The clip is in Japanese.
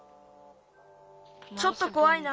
ちょっとこわいな。